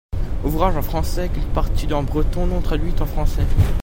Ouvrage en français avec une partie en breton non traduite en français.